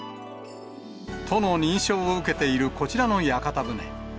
都の認証を受けているこちらの屋形船。